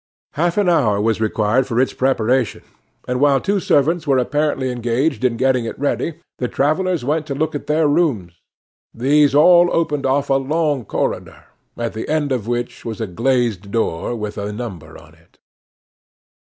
Half an hour was required for its preparation, and while two servants were apparently engaged in getting it ready the travellers went to look at their rooms. These all opened off a long corridor, at the end of which was a glazed door with a number on it.